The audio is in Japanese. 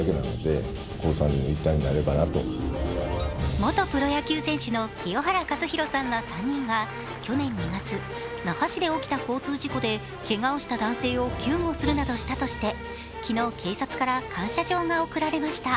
元プロ野球選手の清原和博さんら３人が、去年２月那覇市で起きた交通事故でけがをした男性を救護するなどして昨日、警察から感謝状が贈られました。